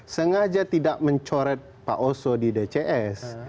sengaja tidak mencoret pak oso di dcs